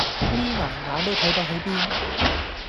眯埋眼都睇到喺邊